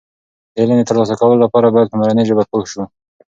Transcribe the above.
د علم د ترلاسه کولو لپاره باید په مورنۍ ژبه پوه شو.